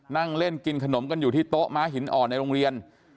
นั่งเล่นกินขนมกันอยู่ที่โต๊ะม้าหินอ่อนในโรงเรียน